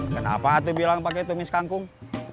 kenapa hati bilang pakai tumis kangkung